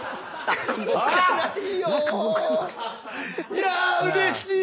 いやうれしい！